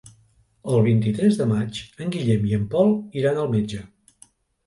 El vint-i-tres de maig en Guillem i en Pol iran al metge.